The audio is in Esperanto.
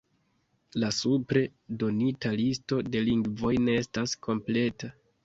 La supre donita listo de lingvoj ne estas kompleta.